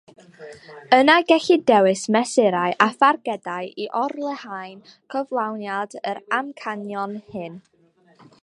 Yna gellid dewis mesurau a thargedau i olrhain cyflawniad yr amcanion hyn.